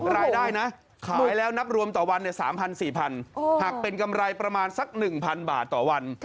รายได้นะขายแล้วนับรวมต่อวัน๓๐๐๔๐๐หักเป็นกำไรประมาณสัก๑๐๐บาทต่อวัน